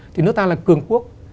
thì nước ta là cường quốc